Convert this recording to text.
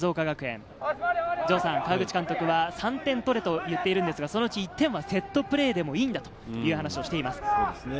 川口監督は３点取れと言っているんですが、そのうち１点はセットプレーでもいいんだという話をしています。